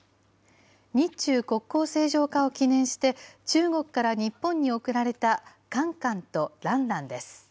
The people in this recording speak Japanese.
日中国交正常化を記念して、中国から日本に贈られたカンカンとランランです。